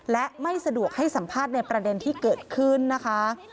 และไม่สะดวกให้สัมภาษณ์ในประเด็นที่เกิดขึ้นนะคะ